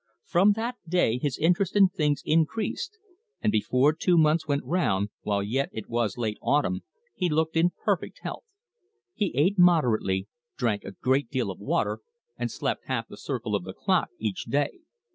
From that day his interest in things increased, and before two months went round, while yet it was late autumn, he looked in perfect health. He ate moderately, drank a great deal of water, and slept half the circle of the clock each day.